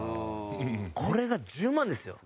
これが１０万ですよ。